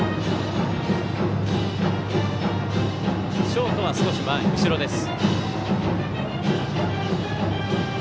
ショートは少し後ろです。